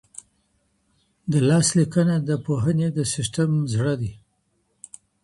د لاس لیکنه د پوهني د سیسټم زړه دی.